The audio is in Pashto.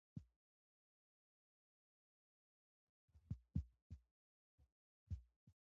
ازادي راډیو د اټومي انرژي په اړه د خلکو نظرونه خپاره کړي.